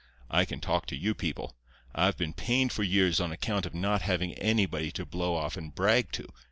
I can talk to you people. I've been pained for years on account of not having anybody to blow off and brag to.